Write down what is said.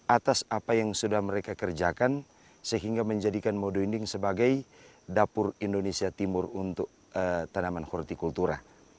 atas apa yang sudah mereka kerjakan sehingga menjadikan modo inding sebagai dapur indonesia timur untuk tanaman hortikultura